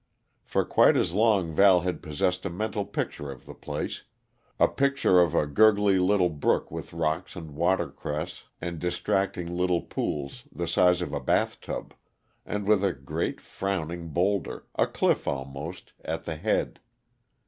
For quite as long Val had possessed a mental picture of the place a picture of a gurgly little brook with rocks and watercress and distracting little pools the size of a bathtub, and with a great, frowning boulder a cliff, almost at the head.